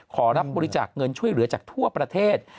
ขอรับบริจาคเงินช่วยเหลือจากทั่วประเทศ